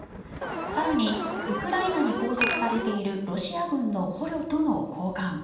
更に、ウクライナに拘束されているロシア軍の捕虜との交換。